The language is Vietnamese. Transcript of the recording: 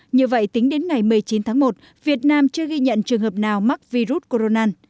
như vậy tính đến ngày một mươi chín tháng một việt nam chưa ghi nhận trường hợp nào mắc virus corona